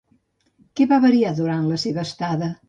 Què va variar durant la seva estada?